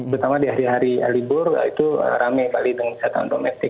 pertama di hari hari libur itu rame bali dengan wisata domestik